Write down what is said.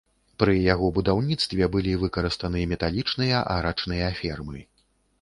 Пры яго будаўніцтве былі выкарыстаны металічныя арачныя фермы.